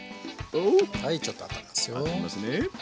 はいちょっとあっためますよ。